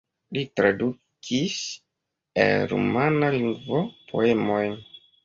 Li tradukis el rumana lingvo poemojn.